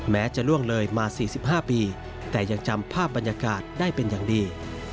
จะล่วงเลยมา๔๕ปีแต่ยังจำภาพบรรยากาศได้เป็นอย่างดี